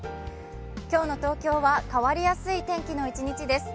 今日の東京は変わりやすい天気の一日です。